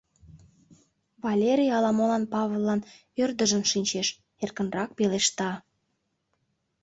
Валерий ала-молан Павыллан ӧрдыжын шинчеш, эркынрак пелешта: